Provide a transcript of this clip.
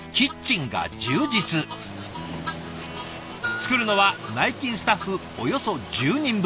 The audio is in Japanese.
作るのは内勤スタッフおよそ１０人分。